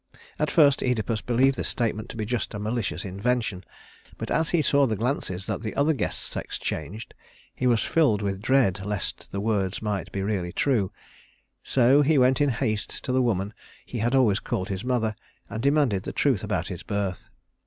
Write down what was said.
At first Œdipus believed this statement to be just a malicious invention; but as he saw the glances that the other guests exchanged, he was filled with dread lest the words might be really true. So he went in haste to the woman he had always called his mother, and demanded the truth about his birth.